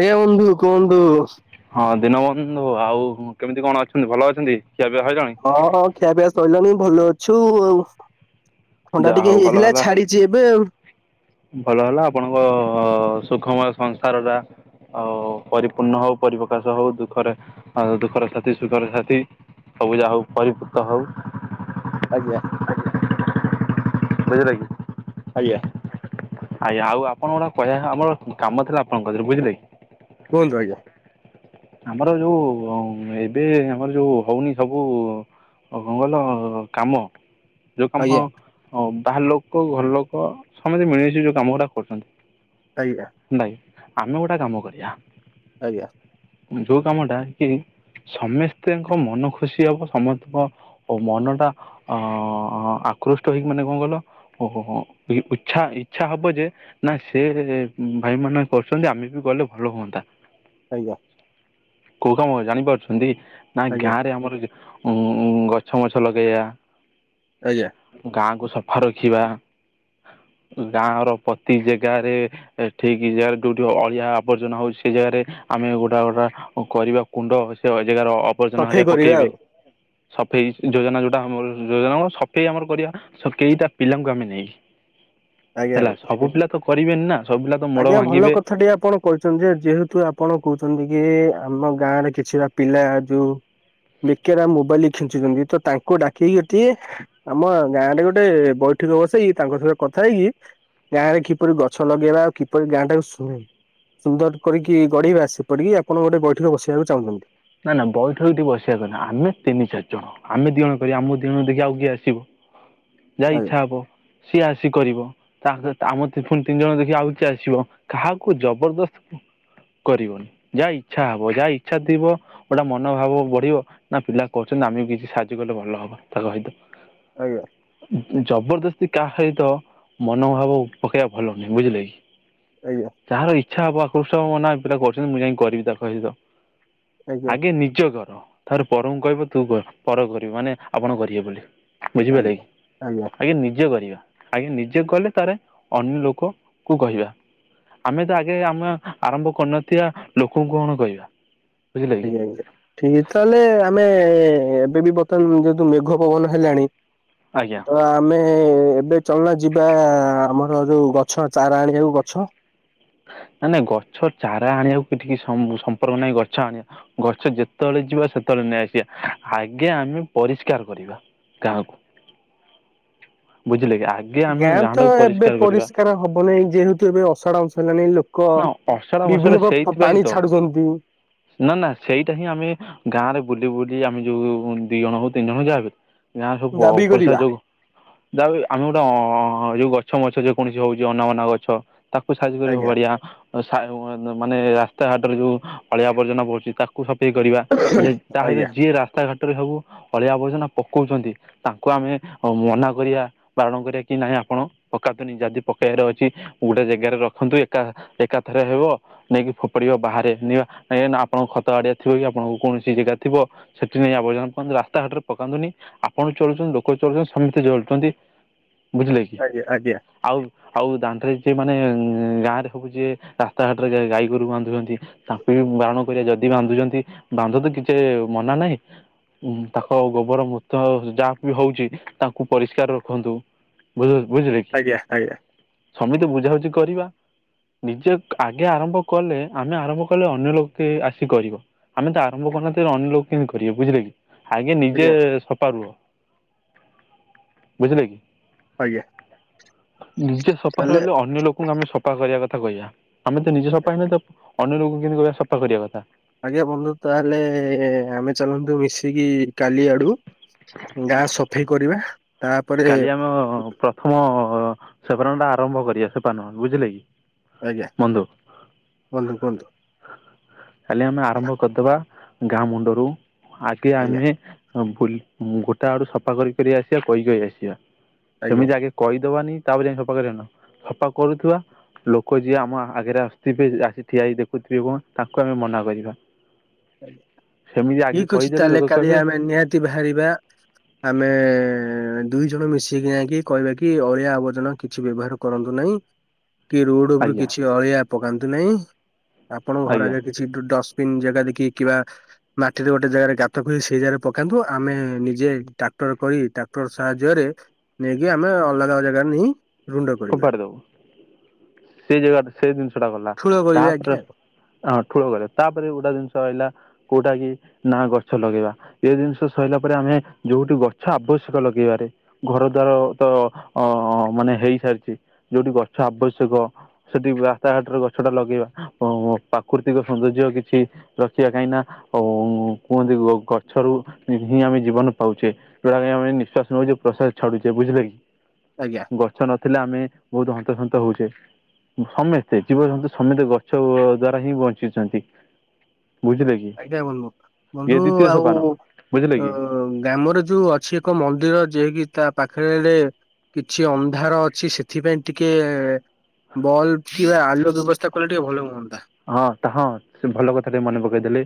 ଆଜ୍ଞା ବନ୍ଧୁ କୁହନ୍ତୁ। ହଁ ଦୀନବନ୍ଧୁ ଆଉ କେମିତି କଣ ଅଛନ୍ତି ଭଲ ଅଛନ୍ତି ଖିଆ ପିଆ ସଇଲାଣି? ହଁ ହଁ ଖିଆପିଆ ସଇଲାଣି ଭଲ ଅଛୁ ଆଉ ଥଣ୍ଡା ଯାହା ହଉ ଟିକେ ଭଲ ହେଇଥିଲା ହେଲା ଛାଡି ଚି ଏବେ ଆଉ। ଭଲ ହେଲା ଆପଣଙ୍କ ସୁଖମୟ ସଂସାର ଟା ଆଉ ପରିପୂର୍ଣ୍ଣ ହଉ ପରିପ୍ରକାଶ ହଉ ଦୁଃଖରେ ଆଉ ଦୁଃଖର ସାଥି ସୁଖର ସାଥି ସବୁଜା ହଉ ପରିପୂତ ହଉ। ଆଜ୍ଞା। ବୁଝିଲ କିି? ଆଜ୍ଞା। ଆଜ୍ଞା ଆଉ ଆପଣଙ୍କ ର କହିବା ଆମର କାମ ଥିଲା ଆପଣଙ୍କ କତିରେ ବୁଝିଲେ କି? କୁଅନ୍ତୁ ଆଜ୍ଞା। ଆମର ଯୋଉ ଏବେ ଆମର ଯୋଉ ହଉନି ସବୁ [unintelligible] କଇଲ କାମ ଯୋଉ କାମ ଆଜ୍ଞା ବାହାର ଲୋକ ଘର ଲୋକ ସମସ୍ତେ ମିଳିମିଶି ଯୋଉ କାମ ଉରା କରୁଚନ୍ତି। ଆଜ୍ଞା। [unintelligible] ଆମେ ଗୋଟେ କାମ କରିବା ଆଜ୍ଞା। ଯୋଉ କାମଟା କି ସମେସ୍ତେଙ୍କ ମନ ଖୁସି ହବ ସମସ୍ତଙ୍କ ଓ ମନ ଟା ଅ ଆକୃଷ୍ଟ ହେଇକି ମାନେ କଣ କଇଲ ଓହୋ ହୋ ହଁ ଇ-ଇଚ୍ଛା ଇଚ୍ଛା ହବ ଯେ ନା ସେ ଭାଇ ମାନ କରୁଚନ୍ତି ଆମେ ବି କଲେ ଭଲ ହୁଅନ୍ତା। ଆଜ୍ଞା। କୋଉ କାମ ଜାଣିପାରୁଛନ୍ତି ନା ଆଜ୍ଞା ଗାଁ ରେ ଆମର ଉଁ ଗଛ ମଛ ଲଗେଇବା। ଆଜ୍ଞା ଗାଁକୁ ସଫା ରଖିବା ଗାଁ ର ପ୍ରତି ଜାଗାରେ ଠିକ ଜାଗାରେ ଯୋଉଠି ଅଳିଆ ଆବର୍ଜନା ହଉଛି ସେ ଜାଗାରେ ଆମେ ଗୋଟା ଗୋଟା କରିବା କୁଣ୍ଡ ସେ ଜାଗାର ଆବର୍ଜନା ସଫେଇ ହେରୀକା କରିବା ପକେଇବେ। ଆଉ। ସଫେଇ ଯୋଜନା ଯୋଉଟା ଆମର ଯୋଜନା କ ସଫେଇ ଆମର କରିବା। କେଇଟା ପିଲାଙ୍କୁ ଆମେ ନେଇ ଆଜ୍ଞା ହେଲା ସବୁ ପିଲା ତ କରିବେନି ନା ସବୁ ପିଲା ତ ମୋଡ ଆଜ୍ଞା ଭଲ ଭାଙ୍ଗିବେ କଥା ଟିକେ ଆପଣ କହିଛନ୍ତି ଯେ ଯେହେତୁ ଆପଣ କହୁଛନ୍ତି କି ଆମ ଗାଁ ରେ କିଛିଟା ପିଲା ଯୋଉ ବିକେରା ମୋବାଇଲ ଖିଞ୍ଚୁଛନ୍ତି ତ ତାଙ୍କୁ ଡାକିକି ଏଠି ଆମ ଗାଁ ରେ ଗୋଟେ ବୈଠକ ବସେଇକି ତାଙ୍କ ସହିତ କଥା ହେଇକି ଗାଁ ରେ କିପରି ଗଛ ଲଗେଇବା? କିପରି ଗାଁ ଟାକୁ ଶୁ ସୁନ୍ଦର କରିକି ଗଢେଇବା ସେପଟିକି ଆପଣ ଗୋଟେ ବୈଠକ ବସିବାକୁ ଚାହୁଁଛନ୍ତି। ନା ନା ବୈଠକ ଏଠି ବସିବାକୁ ନା ଆମେ ତିନି ଚାରି ଜଣ ଆମେ ଦିଅଣ କରିବା ଆମ ଦିଅଣ ଦେଖି ଆଉ କିଏ ଆସିବ ଯାହା ଆଜ୍ଞା ଇଚ୍ଛା ହବ। ସିଏ ଆସି କରିବ। ତା ଆମର ପୁଣି ତିନି ଜଣ ଦେଖି ଆଉ କି ଆସିବ କାହାକୁ ଜବରଦସ୍ତ କରିବନି ଯାହା ଇଚ୍ଛା ହବ ଯାହା ଇଚ୍ଛା ଥିବ ଗୋଟା ମନୋଭାବ ବଢିବ ନା ପିଲା କରୁଛନ୍ତି ଆମେ ବି କିଛି ସାହାଯ୍ୟ କଲେ ଭଲ ହବ ତାଙ୍କ ସହିତ। ଆଜ୍ଞା ଜବରଦସ୍ତି କାହା ସହିତ ମନୋଭାବ ପକେଇବା ଭଲ ନହିଁ ବୁଝିଲେ କି। ଆଜ୍ଞା ଯାହାର ଇଚ୍ଛ ହବ [unintelligible] ଏ ପିଲା କରଛନ୍ତି ମୁଁ ଯାଇକି କରିବି ତାଙ୍କ ସହିତ ଆଜ୍ଞା ଆଗେ ନିଜ କର ତାରେ ପରଙ୍କୁ କହିବ ତୁ କର କରିବୁ ମାନେ ଆପଣ କରିବେ ବୋଲି। ବୁଝିପାରିଲେ କି ଆଜ୍ଞା ନିଜେ କରିବା। ଆଜ୍ଞା ନିଜେ ଗଲେ ତାର ଅନ୍ୟ ଲୋକ କୁ କହିବା। ଆମେ ତ ଆଗେ ଆମ ଆରମ୍ଭ କରିନଥିବା ଲୋକଙ୍କୁ କଣ କହିବା। ବୁଝିଲେ କି ଆଜ୍ଞା ଆଜ୍ଞା ଠିକ ତାହେଲେ ଆମେ ଏବେ ବି ବର୍ତ୍ତମାନ ଯେତୁ ମେଘ ପବନ ହେଲାଣି। ଆଜ୍ଞା ତ ଆମେ ଏବେ ଚଲୁନା ଯିବା ଆମର ଯୋଉ ଗଛ ଚାରା ଆଣିବାକୁ ଗଛ। ନାଇ ନାଇଁ ଗଛ ଚାରା ଆଣିବାକୁ ଟିକେ ସମ୍ପର୍କ ନାହିଁ ଗଛ ଆଣିବା। ଗଛ ଯେତେବେଳେ ଯିବା ସେତେବେଳେ ନେଇ ଆସିବା ଆଗେ ଆମେ ପରିଷ୍କାର କରିବା। ଗାଁକୁ ବୁଝିଲେ କି ଆଜ୍ଞା। ଗାଁ ତ ଏବେ ପରିଷ୍କାର ହବନାଇଁ ଯେହେତୁ ଏବେ ଅସାଢା ମାସ ହେଲାଣି ଲୋକ ନା ଅସଡା ଲୋକ ମସଡା ବିଭିନ୍ନ ସେଇଥିପାଇଁ ତ ପାଣି ଛାଡୁଛନ୍ତି। ନା ନା ସେଇଟା ହିଁ ଆମେ ଗାଁରେ ବୁଲି ବୁଲି ଆମେ ଯୋଉ ଦି ଜଣ ହଉ ତିନି ଜଣ ହ ଯାହା ଯାହା ସବୁ ଦାବି ପଇସା କରିବା। ଯୋଗ ଯାହା ଆମେ ଗୋଟେ ଅ ଯୋଉ ଗଛ ମଛ ଯେକୌଣସି ହଉଛି ଅନାବନା ଗଛ ତାକୁ ସାଇଜ କରି ଆଜ୍ଞା ଫୋପଡ଼ିବା। ମାନେ ରାସ୍ତାଘାଟରେ ଯୋଉ ଅଳିଆବର୍ଜନା ବଢୁଛି ତାକୁ କୁ ସଫେଇ କରିବା ଯେ ତା ସହିତ ଆଜ୍ଞା ଯିଏ ରାସ୍ତାଘାଟରେ ସବୁ ଅଳିଆ ଆବର୍ଜନା ପକଉଛନ୍ତି। ତାଙ୍କୁ ଆମେ ମନା କରିବା ବାରଣ କରିବା କି ନାଇଁ ଆପଣ ପକାନ୍ତୁନି ଯଦି ପକେଇବାର ଅଛି। ଗୋଟେ ଜାଗାରେ ରଖନ୍ତୁ ଏକା ଏକାଥରେ ହେବ। ନେଇକି ଫୋପଡିବ ବାହାରେ ନଁ ଆପଣଙ୍କ ଖତ ଗଡିଆ ଥିବ କି ଆପଣଙ୍କ କୌଣସି ଜାଗା ଥିବ। ସେଠି ନେଇ ଆବର୍ଜନକାନ୍ତୁ ରାସ୍ତାଘାଟରେ ପକାନ୍ତୁନି ଆପଣ ଚଳୁଛନ୍ତି ଲୋକ ଚଳୁଛନ୍ତି ସମସ୍ତେ ଚଳୁଛନ୍ତି। ବୁଝିଲେ କି ଆଜ୍ଞା ଆଜ୍ଞା ଆଉ ଆଉ ଦାଣ୍ଡରେ ଏତେ ମାନେ ଗାଁରେ ସବୁ ଯିଏ ରାସ୍ତାଘାଟରେ ଗାଈ ଗୋରୁକୁ ବାନ୍ଧୁଛନ୍ତି। ତାଙ୍କୁ ବି ବାରଣ କରିବା ଯଦି ବାନ୍ଧୁଛନ୍ତି ବାନ୍ଧନ୍ତୁ ତ କିଛି ମନା ନାହିଁ। ଉ ତାଙ୍କ ଗୋବର ମୁଁତ ଯାହା ବି ହଉଛି ତାଙ୍କୁ ପରିଷ୍କାର ରଖନ୍ତୁ। ବୁଝ୍ ବୁଝିଲେ କି ଆଜ୍ଞା ଆଜ୍ଞା ସମିତି ବୁଝାବୁଝି କରିବା। ନିଜେ ଆଗେ ଆରମ୍ଭ କଲେ ଆମେ ଆରମ୍ଭ କଲେ ଅନ୍ୟ ଲୋକ ଆସି କରିବ। ଆମେ ତ ଆରମ୍ଭ କରନଥିଲ ଅନ୍ୟଲୋକ କେମିତି କରିବେ ବୁଝିଲେ କି। ଆଗେ ନିଜେ ଆଜ୍ଞା ଆଜ୍ଞା ସଫା ରୁହ ବୁଝିଲେ କି? ଆଜ୍ଞା ନିଜେ ସଫା ତାହେଲେ ରହିଲେ ଅନ୍ୟ ଲୋକଙ୍କୁ ଆମେ ସଫା କରିବା କଥା କହିବା। ଆମେ ତ ନିଜେ ସଫା ହେଇନଥିବା ତ ଅନ୍ୟ ଲୋକଙ୍କୁ କେମତି କହ ସଫା କରିବା କଥା। ଆଜ୍ଞା ବନ୍ଧୁ ତାହେଲେ ଆମେ ଚାଲନ୍ତୁ ମିଶିକି କାଲି ଆଡୁ ଗାଁ ସଫେଇ କରିବା। ତାପରେ କାଲି ଆମେ ପ୍ରଥମ ସେପନ ଟା ଆରମ୍ଭ କରିବା ସେପନ ବୁଝିଲେ କି। ଆଜ୍ଞା ବନ୍ଧୁ। କୁହନ୍ତୁ କୁହନ୍ତୁ। କାଲି ଆମେ ଆରମ୍ଭ କରିଦବା ଗାଁ ମୁଣ୍ଡରୁ ଆଗେ ଆଜ୍ଞା ଆମେ ବୁଲ ଗୋଟା ଆଡୁ ସଫା କରି କରି ଆସିବା କହିକ ଆସିବା ଆଜ୍ଞା। ସେମିତି ଆଗେ କହିଦବାନି ତାପରେ ଯାଇ ସଫା କରିନ ସଫା କରୁଥିବା ଲୋକ ଯିଏ ଆମ ଆଗରେ ଆସିଥିବେ ଆସି ଠିଆଇ ଦେଖୁଥିବେ ଏବଂ ତାଙ୍କୁ ଆମେ ମନା କରିବା। ସେମିତି ଆଗେ ଠିକ୍ ଅଛି କହିଦେଲେ ଲୋକ ତାହେଲେ କାଲି କହିବେ ଆମେ ନିହାତି ବାହାରିବା। ଆମେ ଦୁଇ ଜଣ ମିଶିକି ଯାଇକି କହିବା କି ଅଳିଆ ଆବର୍ଜନା କିଛି ବ୍ୟବହାର କରନ୍ତୁ ନାହିଁ। କି ରୋଡ ଉପରୁ ଆଜ୍ଞା କିଛି ଅଳିଆ ପକାନ୍ତୁ ନାହିଁ ଆପଣଙ୍କ ଘର ଆଜ୍ଞା ଆଗରେ ଡଷ୍ଟବନ୍ ଜାଗା ଦେଖିି କି ବା ମାଟିରେ ଗୋଟେ ଜାଗାରେ ଗାତ ଖୋଇ ସେଇ ଜାଗାରେ ପକାନ୍ତୁ ଆମେ ନିଜେ ଟ୍ରାକ୍ଟର କରି ଟାକ୍ଟର ସାହାଯ୍ୟରେ ନେଇକି ଆମେ ଅଲଗା ଅ ଜାଗାରେ ନେଇ ରୁଣ୍ଡ କରିବା। ଖପାଡି ଦବୁ ସେ ଜାଗା ସେ ଜିନିଷ ଟା ଗଲା ଠୁଳ କରିବେ ତାପରେ ଆଜ୍ଞା ଅଁ ଠୁଳ କରିବା ତାପରେ ଗୋଟା ଜିନିଷ ରହିଲା କୋଉଟା କି ନା ଗଛ ଲଗେଇବା ଏ ଜିନିଷ ସରିଲା ପରେ ଆମେ ଯୋଉଠି ଗଛ ଆବଶ୍ୟକ ଲଗେଇବାରେ ଘର ଦ୍ଵାର ତ ଅ ମାନେ ହେଇସାରିଛି ଯୋଉଠି ଗଛ ଆବଶ୍ୟକ ସେଠି ରାସ୍ତାଘାଟରେ ଗଛ ଟା ଲଗେଇବା ଅ ପ୍ରାକୃତିକ ସୌନ୍ଦର୍ଯ୍ୟ କିଛି ରଖିବା କାହିଁ ନା କୁହନ୍ତି ଗଛରୁ ହିଁ ଆମେ ଜୀବନ ପାଉଛେ ଯୋଉଟାକୁ ଆମେ ନିଶ୍ଵାସ ନେଉଛ ପ୍ରସ୍ଵସ ଛାଡୁଛେବୁଝିଲେ କି? ଆଜ୍ଞା। ଗଛ ନଥିଲେ ଆମେ ବହୁତ ହନ୍ତସନ୍ତ ହଉଛେ। ସମସ୍ତେ ଜୀବଜନ୍ତୁ ସମସ୍ତେ ଗଛ ଦ୍ଵାରା ହିଁ ବଞ୍ଚିଛନ୍ତି ବୁଝିଲେ କି। ଆଜ୍ଞା ବନ୍ଧୁ ଏ ବନ୍ଧୁ ଦ୍ଵିତୀୟ ଆଉ ସୋପାନ ବୁଝିଲେ ଅ। କି ଗ୍ରାମରେ ଯୋଉ ଅଛି ଏକ ମନ୍ଦିର ଯିଏକି ତା ପାଖରେ କିଛି ଅନ୍ଧାର ଅଛି ସେଥିପାଇଁ ଟିକେ- ବଲବ କିବା ଆଲୁଅ ବ୍ୟବସ୍ଥା କଲେ ଟିକେ ଭଲ ହୁଅନ୍ତା। ହଁ ତା ହଁ ସେ ଭଲ କଥା ଟିକେ ମନେ ପକେଇଦେଲେ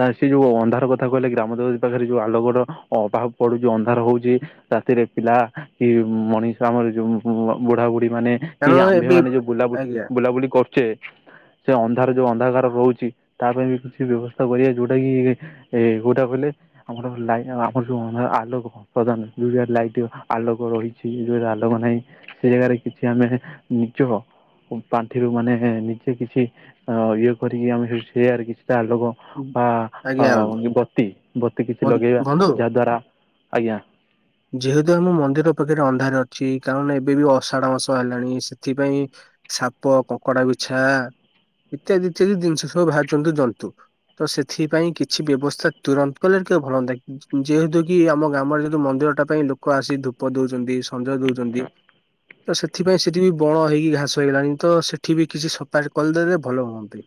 ତା ସେ ଯୋଉ ଅନ୍ଧାର କଥା କହିଲେ ଗ୍ରାମ ଦେବତୀ ପାଖରେ ଯୋଉ ଆଲଗଡ ପାହା ପଡୁଛି ଉ ଅନ୍ଧାର ହଉଛି। ରାତିରେ ପିଲା କି ମଣିଷ ଆମର ଯୋଉ ବୁଢା ବୁଢୀ ମାନେ କି କାରଣ ଆମ୍ଭେ ଏବେ ମାନେ ଯୋଉ ବୁଲାବୁଲି ଆଜ୍ଞା ବୁଲାବୁଲି କରୁଛେ। ସେ ଅନ୍ଧାର ଯୋଉ ଅନ୍ଧକାରାର ରହୁଛି ତା ପାଇଁ ବି କିଛି ବ୍ୟବସ୍ଥା କରିବା ଯୋଉଟା କି ଏ କୋଉ ଟା କହିଲେ ଆମର ଆମର ଆଲୋକ ପ୍ରଧାନ ଯୋଉ ଜାଗାରେ ଲାଇଟ ଆଲୋକ ରହିଛି ଯୋଉରେ ଆଲୋକ ନାହିଁ। ସେ ଜାଗାରେ କିଛି ଆମେ ନିଜ ପାଣ୍ଠିରୁ ମାନେ ନିଜେ କିଛି। ହ ଇଏ କରିକି ଆମେ ଯଦି ସେୟାର କିଛିଟା ଆଲୋକ ଆ ଆଜ୍ଞା ଆ ବତୀ ବତୀ କିଛି ବନ୍ଧୁ ଲଗେଇବା ବନ୍ଧୁ ଯାହା ଦ୍ଵାରା ଆଜ୍ଞା ଯେହେତୁ ଆମ ମନ୍ଦିର ପାଖରେ ଅନ୍ଧାର ଅଛି କାରଣ ଏବେ ବି ଅଷାଢ ମାସ ହେଲାଣି ସେଥିପାଇଁ ସାପ କଙ୍କଡା ବିଛା ଇତ୍ୟାଦି ଇତ୍ୟାଦି ଜିନିଷ ସବୁ ବାହାରୁଛନ୍ତି ଜନ୍ତୁ ତ ସେଥିପାଇଁ କିଛି ବ୍ୟବସ୍ଥା ତୁରନ୍ତ କଲେ ଟିକେ ଭଲହୁଅନ୍ତା ଯେହେତୁ କି ଆମ ଗ୍ରାମର ଯେହେତୁ ମନ୍ଦିର ଟା ପାଇଁ ଲୋକ ଆସି ଧୂପ ଦଉଛନ୍ତି ସଞ୍ଜ ଦଉଛନ୍ତି। ତ ସେଥିପାଇଁ ସେଠି ବି ବଣ ହେଇକି ଘାସ ହେଇଗଲାଣି ତ ସେଠି ବି କିଛି ସଫାଇ କରିଦେଲେ ଭଲ ହୁଅନ୍ତେ।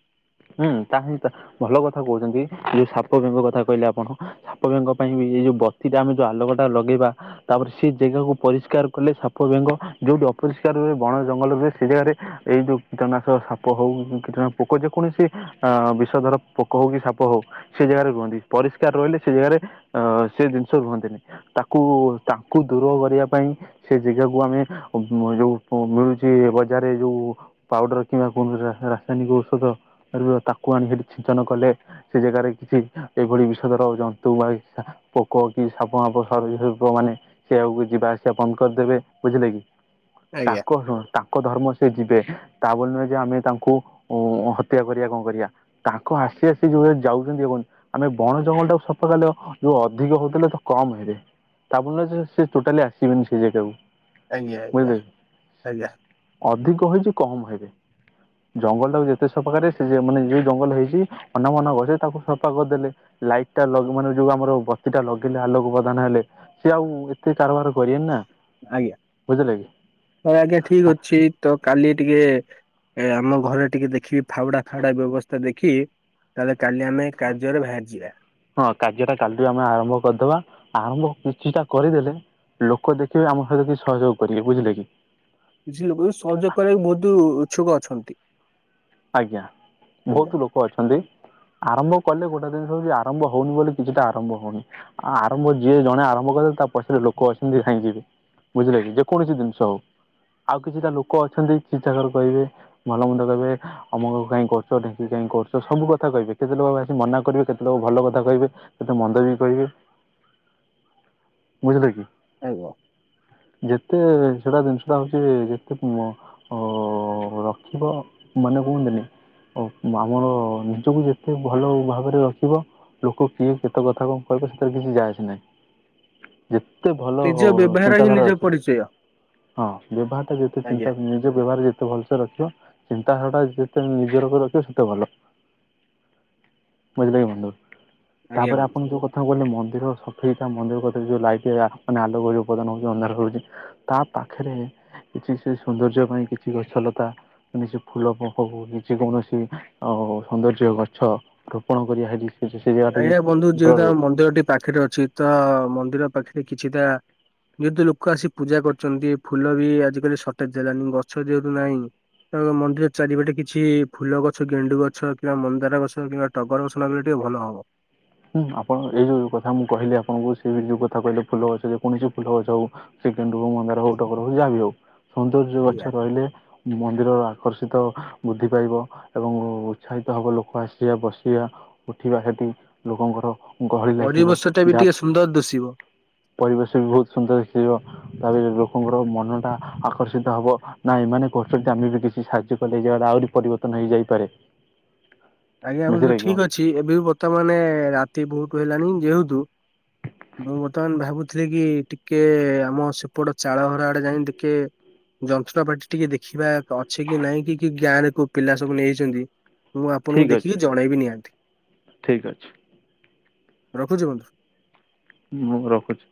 ହୁଁ ତାହେଲେ ତ ଭଲ କଥା କହୁଛନ୍ତି ଯୋଉ ସାପ ବେଙ୍ଗ କଥା କହିଲେ ଆପଣ। ସାପ ବେଙ୍ଗ ପାଇଁ ବି ଏଇ ଯୋଉ ବତି ଟା ଆମେ ଯୋଉ ଆଲୋକଟା ଲଗେଇବା ତାପରେ ସେ ଜାଗାକୁ ପରିଷ୍କାର କଲେ ସାପ ବେଙ୍ଗ ଯୋଉଠି ଅପରିଷ୍କାର ହୁଏ ବଣ ଜଙ୍ଗଲ ରୁହେ ସେ ଜାଗାରେ ଏଇ ଯୋଉ କୀଟନାଶ ସାପ ହଉ କୀଟନାଶ ପୋକ ଯ କୌଣସି ଅ ବିଷ ଧର ପୋକ ହଉ କି ସାପ ହଉ ସେ ଜାଗାରେ ରୁହନ୍ତି ପରିଷ୍କାର ରହିଲେ ସେ ଜାଗାରେ ଅ ସେ ଜିନିଷ ରୁହନ୍ତିନି। ତାକୁ ତାଙ୍କୁ ଦୂର କରିବା ପାଇଁ ସେ ଜେଗାକୁ ଆମେ ଅ ମ ଯୋଉ ମିଳୁଛି ବଜାରରେ ଯୋଉ ପାଉଡର କିମ୍ବା କୌଣସି ରାସା ରାସାୟନିକ ଔଷଧ ତାକୁ ଆଣିକି ହେଠି ଛିଞ୍ଚନ କଲେ ସେ ଜାଗାରେ କିଛି ଏଇଭଳି ବିଷଧର ଜନ୍ତୁ ବା ସା ପୋକ କି ସାପଫାପ ସରିଶୃପ ମାନେ ସେ ଆଗକୁ ଯିବା ଆସିବା ବନ୍ଦ କରିଦେବେ ବୁଝିଲେ କି। ଆଜ୍ଞା ତାଙ୍କ ଶୁଣ ତାଙ୍କ ଧର୍ମ ସେ ଯିବେ ତା ବୋଲି ନୁହେଁ ଯେ ଆମେ ତାଙ୍କୁ ଉ ହ ହତ୍ୟା କରିବା କଣ କରିବା ତାଙ୍କ ଆସି ଆସି ଯୋଉଭଳି ଯାଉଛନ୍ତି ଦେଖନ୍ତୁ ଆମେ ବଣ ଜଙ୍ଗଲ ଟାକୁ ସଫାକଲେ ଯୋଉ ଅଧିକ ହଉଥିଲେ ତ କମ ହେବେ। ତାବୋଲି ନୁହେଁ ସେ ଟୋଟାଲି ଆସିବେନି ସେ ଜାଗାକୁ। ଆଜ୍ଞା ଆଜ୍ଞା ବୁଝିଲେ କି ଆଜ୍ଞା। ଅଧିକ ହୋଇଛି କମ୍ ହେବେ ଜଙ୍ଗଲଟାକୁ ଯେତେ ସଫାକରିବେ ସେ ମାନେ ଯୋଉ ଜଙ୍ଗଲ ହେଇଛି ଅନାବନା ଗଛ ତାକୁ ସଫା କରିଦେଲେ। ଲାଇଟା ମାନେ ଯୋଉ ଆମର ବତୀଟା ଲଗେଇଲେ ଆଲୋକ ପ୍ରଦାନ ହେଲେ ସେ ଆଉ ଏତେ କାରବାର କରିବେନି ନା। ଆଜ୍ଞା ବୁଝିଲେ କି? ହଁ ଆଜ୍ଞା ଠିକ ଅଛି ତ କାଲି ଟିକେ ଏ ଆମ ଘରେ ଟିକେ ଦେଖିବି ଫାଉଡା ଫାଉଡା ବ୍ୟବସ୍ଥା ଦେଖି ତାଲେ କାଲି ଆମେ କାର୍ଯ୍ୟରେ ବାହାରିଯିବା। ହଁ କାର୍ଯ୍ୟ ଟା କାଲି ଆମେ ଆରମ୍ଭ କରିଦବା ଆରମ୍ଭ କିଛିଟା କରିଦେଲେ ଲୋକ ଦେଖିବେ ଆମ ସହିତ କିଛି ସହଯୋଗ କରିବେ ବୁଝିଲେ କି। କିଛି ଲୋକ ବି ସହଯୋଗ କରିବାକୁ ବହୁତ ଉଛୁକ ଅଛନ୍ତି। ଆଜ୍ଞା ଆଜ୍ଞା ବହୁତ ଲୋକ ଅଛନ୍ତି। ଆରମ୍ଭ କଲେ ଗୋଟେ ଜିନିଷ ହଉଛି ଆରମ୍ଭ ହଉନି ବୋଲି କିଛିଟା ଆରମ୍ଭ ହଉନି ଆ ଆରମ୍ଭ ଯିଏ ଜଣେ ଆରମ୍ଭ କଲେ ତା ପଛରେ ଲୋକ ଅଛନ୍ତି ଧାଇଁ ଯିବେ। ବୁଝିଲେକି ଯେ କୌଣସି ଜିନିଷ ହଉ। ଆଉ କିଛିଟା ଲୋକ ଅଛନ୍ତି ଚି ଛାକର କହିବେ ଭଲମନ୍ଦ କହିବେ। ଆମକ କାଇଁ କରୁଛ ଢେଙ୍କି କାହିଁ କରୁଛ ସବୁ କଥା କହିବେ କେତେ ଲୋକ ଆସି ମନା କରିବେ କେତେ ଲୋକ ଭଲ କଥା କହିବେ। କେତେ ମନ୍ଦ ବି କହିବେ। [inaudible] ବୁଝିଲ କି। ହେବ। ଯେତେ ସେଟା ଜିନିଷଟା ହଉଛି ଯେତେ ମ ଅ ରଖିବ ମାନେ କୁହନ୍ତନି ଓ ଆମର ନିଜକୁ ଯେତେ ଭଲ ଭାବରେ ରଖିବ ଲୋକ କିଏ କେତେ କଥା କଣ କହିବେ ସେଥିରେ କିଛି ଯା ଆସେ ନାହିଁ। ଯେତେ ଭଲ ନିଜ ହ ବ୍ୟବହାର ହିଁ ଚିନ୍ତାଧାରା ନିଜ ଅଛି ପରିଚୟ। ହଁ ବ୍ୟବହାର ଟା ଯେତେ ଆଜ୍ଞା ଚିନ୍ତା ନିଜ ବ୍ୟବହାର ଯେତେ ଭଲସ ରଖିବ ଚିନ୍ତାଧାରା ଟା ଯେତେ ନିଜର କ ରଖିବ ସେତେ ଭଲ। ବୁଝିଲେ କି ବନ୍ଧୁ ଆଜ୍ଞା ତାପରେ ବନ୍ଧୁ। ଆପଣଙ୍କ ଯୋଉ କଥା ଥା ମୁଁ କଲି ମନ୍ଦିର ସଫେଇ ତା ମନ୍ଦିର କତିିରେ ଯୋଉ ଲାଇଟ୍ ଲା ମାନେ ଆଲକ ଉପଦାନ ହଉଛି ଅନ୍ଧାର ହଉଛି ତା ପାଖରେ କିଛି ସେ ସୌନ୍ଦର୍ଯ୍ୟ ପାଇଁ କିଛି ଗଛଲତା ନି ସେ ଫୁଲ ପପକୁ କିଛି କୌଣସି ଆ ସୌନ୍ଦର୍ଯ୍ୟ ଗଛ ରୋପଣ କରି ଆ ହେଟି ଆଜ୍ଞା ବନ୍ଧୁ ଯେହେତୁ ଆମ ମନ୍ଦିରଟି ପାଖରେ ଅଛି ତ ମନ୍ଦିର ପାଖରେ କିଛିଟା ଯେହେତୁ ଲୋକ ଆସି ପୂଜା କରୁଛନ୍ତି ଫୁଲ ବି ଆଜିକାଲି ସର୍ଟେଜ ହେଲାଣି ଗଛ ଯେହେତୁ ନାହିଁ ତା ମନ୍ଦିର ଚାରି ପଟେ କିଛି ଫୁଲ ଗଛ ଗେଣ୍ଡୁ ଗଛ କିମ୍ବା ମନ୍ଦାର ଗଛ କିମ୍ବା ଟଗର ଗଛ ନଗଇଲେ ଟିକେ ଭଲ ହବ। ହ ହୁଁ ଆପଣ ଏଇ ଯୋଉ କଥା ମୁଁ କହିଲି ଆପଣଙ୍କୁ ସେଇ ଯୋଉ କଥା କହିଲେ ଫୁଲ ଗଛ ଯେ କୌଣସି ଫୁଲ ଗଛ ହଉ ସେକେଣ୍ଡ ହୋଉ, ମନ୍ଦାର ହୋଉ, ଟଗର ହୋଉ, ଯାହା ହୋଉ ସୌନ୍ଦର୍ଯ୍ୟ ଗଛ ଆଜ୍ଞା। ରହିଲେ ମନ୍ଦିରର ଆକର୍ଷିତ ବୃଦ୍ଧି ପାଇବ। ଏବଂ ଉତ୍ସାହିତ ହବ ଲୋକ ଆସିବା, ବସିବା, ଉଠିବା ହେଠି ଲୋକଙ୍କର ଗହଳି ଲାଗିବ ପରିବେଶ ଟା ବି ଯାହା ଟିକେ ସୁନ୍ଦର ଦିଶିବ। ପରିବେଶ ବି ବୋହୁତ ସୁନ୍ଦର ଦେଖାଯିବ। ତାପରେ ଲୋକଙ୍କର ମନଟା ଆକର୍ଷିତ ହେବ। ନାଇଁ ମାନେ କୋଷ ଯଦି ଆମେ ବି କିଛି ସାହାଯ୍ୟ କଲେ ଜାଗାର ଆହୁରି ପରିବର୍ତ୍ତନ ହେଇଯାଇପାରେ। ଆଜ୍ଞା ମୁଁ ବନ୍ଧୁ ବୁଝିଲେ କି ଠିକ ଅଛି ଏବେ ବର୍ତ୍ତମାନେ ରାତି ବୋହୁତ ହେଲାଣି ଯେହେତୁ ମୁଁ ବର୍ତ୍ତମାନ ଭାବୁଥିଲି କି ଟିକେ ଆମ ସେପଟ ଚାଳଘର ଆଡେ ଯାଇଁ ଟିକେ ଯନ୍ତ୍ରପାତି ଟିକେ ଦେଖିବା। ଅଛି କି ନାଇଁ କି କିଏ ଗାଁରେ କୋଉ ପିଲା ସବୁ ନେଇ ଯାଇଚନ୍ତି ମୁଁ ଠିକ୍ ଆପଣଙ୍କୁ ଅଛି ଦେଖିକି ଜଣେଇବି ନିହାତି। ଠିକ୍ ଅଛି। ରଖୁଚି ବନ୍ଧୁ। ମୁଁ ରଖୁଚି।